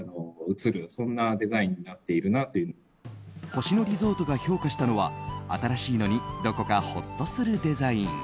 星野リゾートが評価したのは新しいのにどこかほっとするデザイン。